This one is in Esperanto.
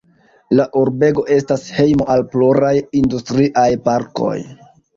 La urbego estas hejmo al pluraj industriaj parkoj.